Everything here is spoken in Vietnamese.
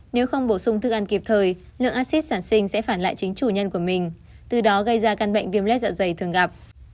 nếu không bổ sung thức ăn kịp thời lượng acid sản sinh sẽ phản lại chính chủ nhân của mình từ đó gây ra căn bệnh viêm lết dạ dày thường gặp